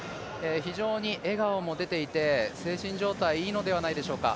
非常に笑顔も出ていて、精神状態いいのではないでしょうか。